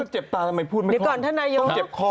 เจ็บตาทำไมพูดไม่คล่อง